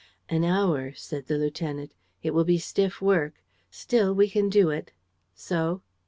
"An hour," said the lieutenant. "It will be stiff work. Still, we can do it. So